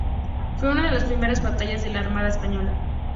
Fue una de las primeras batallas de la Armada Española.